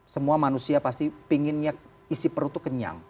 semua manusia pasti pinginnya isi perut itu kenyang